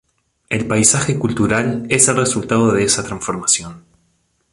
El paisaje cultural es el resultado de esa transformación.